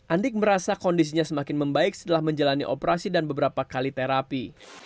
andik merasa kondisinya semakin membaik setelah menjalani operasi dan beberapa kali terapi